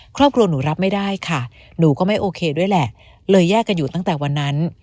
ครอบครัวหนูรับไม่ได้ค่ะหนูก็ไม่โอเคด้วยแหละเลยแยกกันอยู่ตั้งแต่วันนั้น